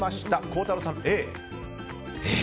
孝太郎さん、Ａ。